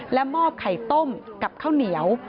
และมอบไข่ต้มกับข้าวเหนียว